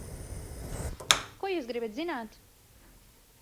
Ko jūs gribat zināt?